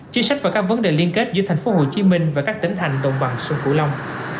chính sách và các vấn đề liên kết giữa thành phố hồ chí minh và các tỉnh thành đồng bằng sông cửu long